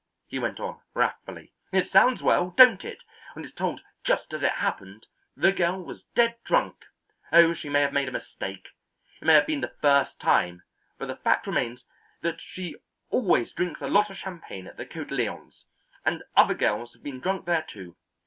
he went on, wrathfully. "It sounds well, don't it, when it's told just as it happened? The girl was dead drunk. Oh, she may have made a mistake; it may have been the first time; but the fact remains that she always drinks a lot of champagne at the Cotillons, and other girls have been drunk there, too.